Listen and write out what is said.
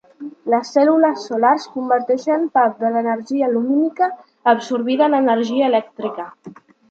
Les cèl·lules solars converteixen part de l'energia lumínica absorbida en energia elèctrica.